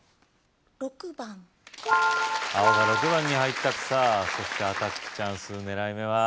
６番青が６番に入ったさぁそしてアタックチャンス狙い目は？